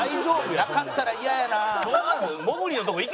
なかったら嫌やな。